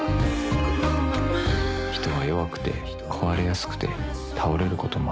「人は弱くて壊れやすくて倒れることもある」